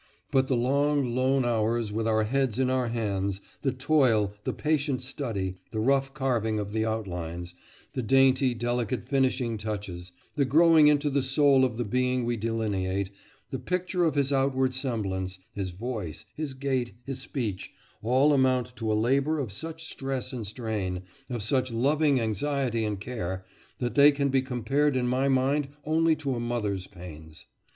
But the long, lone hours with our heads in our hands, the toil, the patient study, the rough carving of the outlines, the dainty, delicate finishing touches, the growing into the soul of the being we delineate, the picture of his outward semblance, his voice, his gait, his speech, all amount to a labour of such stress and strain, of such loving anxiety and care, that they can be compared in my mind only to a mother's pains.